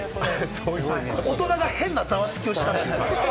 大人が変なザワつきをした。